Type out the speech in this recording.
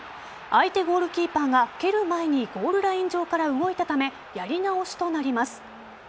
相手ゴールキーパーが蹴る前にゴールライン上から動いたためやり直しとなります。